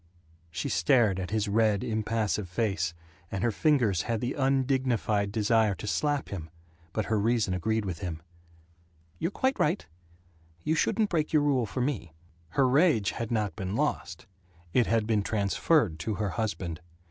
She stared at his red impassive face, and her fingers had the undignified desire to slap him, but her reason agreed with him. "You're quite right. You shouldn't break your rule for me." Her rage had not been lost. It had been transferred to her husband.